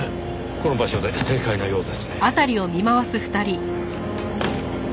この場所で正解のようですね。